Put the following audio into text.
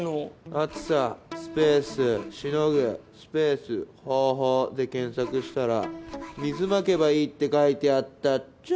「暑さスペースしのぐスペース方法」で検索したら水撒けばいいって書いてあったっちゃ。